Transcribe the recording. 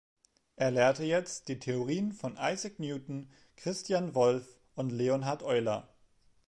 Er lehrte jetzt die Theorien von Isaac Newton, Christian Wolff und Leonhard Euler.